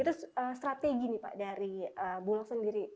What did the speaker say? itu strategi nih pak dari bulog sendiri